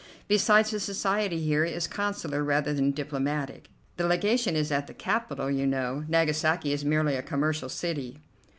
Besides, the society here is consular rather than diplomatic. The Legation is at the capital, you know. Nagasaki is merely a commercial city."